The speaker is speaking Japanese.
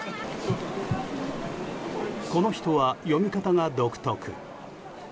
この人は読み方が独特。